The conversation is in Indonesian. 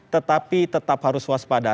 tetapi tetap harus waspada